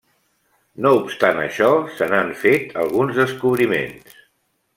No obstant això, se n'han fet alguns descobriments.